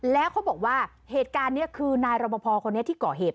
แล้วเขาบอกว่าเหตุการณ์นี้คือนายรบพอคนนี้ที่ก่อเหตุ